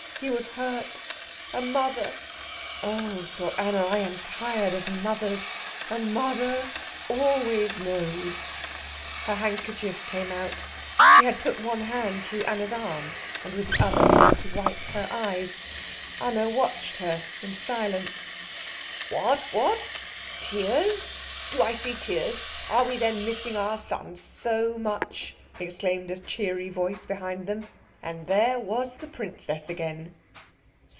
He was hurt. A mother" "Oh," thought Anna, "I am tired of mothers," "a mother always knows." Her handkerchief came out. She had put one hand through Anna's arm, and with the other began to wipe her eyes. Anna watched her in silence. "What? What? Tears? Do I see tears? Are we then missing our son so much?" exclaimed a cheery voice behind them. And there was the princess again.